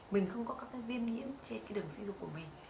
mình không có các viêm nhiễm trên đường sĩ dục của mình